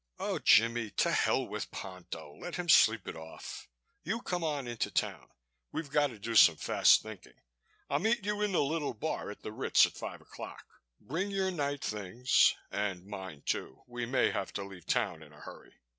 "Oh, Jimmie, to hell with Ponto. Let him sleep it off. You come on in to town. We've got to do some fast thinking. I'll meet you in the Little Bar at the Ritz at five o'clock. Bring your night things, and mine, too. We may have to leave town in a hurry.